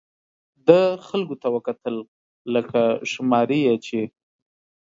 ده خلکو ته وکتل، لکه شماري یې چې.